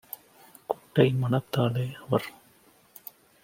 குட்டை மனத்தாலே - அவர்